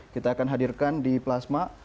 kita akan hadirkan di plasma